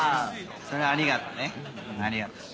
それはありがとねありがとう。